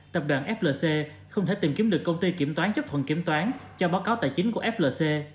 tập đoàn flc không thể tìm kiếm được công ty kiểm toán chấp thuận kiểm toán cho báo cáo tài chính của flc